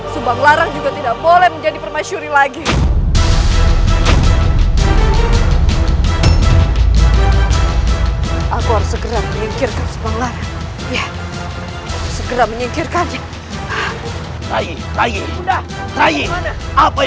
subanglar permaisuri pajajar besar sekali nyari